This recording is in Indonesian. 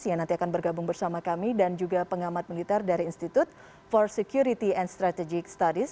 yang nanti akan bergabung bersama kami dan juga pengamat militer dari institute for security and strategic studies